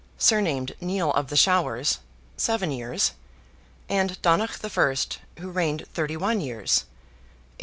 (surnamed Nial of the Showers), seven years; and Donogh I., who reigned thirty one years, A.